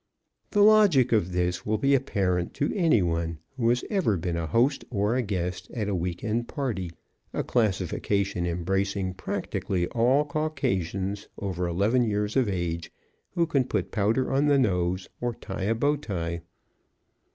The logic of this will be apparent to any one who has ever been a host or a guest at a week end party, a classification embracing practically all Caucasians over eleven years of age who can put powder on the nose or tie a bow tie.